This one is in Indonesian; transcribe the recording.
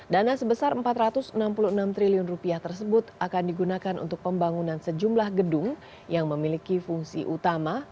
dana sebesar rp empat ratus enam puluh enam triliun tersebut akan digunakan untuk pembangunan sejumlah gedung yang memiliki fungsi utama